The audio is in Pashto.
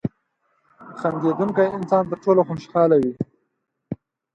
• خندېدونکی انسان تر ټولو خوشحاله وي.